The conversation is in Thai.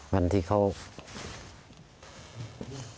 วันที่เขา